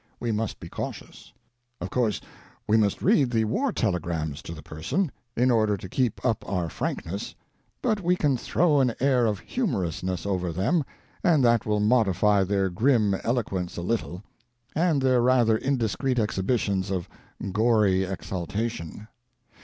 We must be cau tious. Of course, we must read the war telegrams to the Person, in order to keep up our frankness; but we can throw an air of humorousness over them, and that will modify their grim elo quence a little, and their rather indiscreet exhibitions of gory exultation.